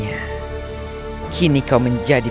dan keadilan pemerintahan